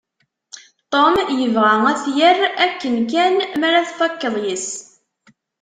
Tom yebɣa ad t-yerr akken kan mi ara tfakkeḍ yess.